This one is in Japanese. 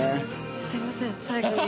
じゃあすいません最後に。